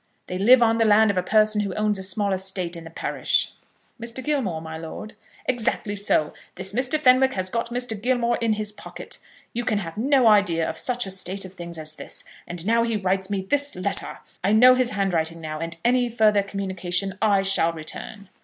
They live on the land of a person who owns a small estate in the parish." "Mr. Gilmore, my lord?" "Exactly so. This Mr. Fenwick has got Mr. Gilmore in his pocket. You can have no idea of such a state of things as this. And now he writes me this letter! I know his handwriting now, and any further communication I shall return."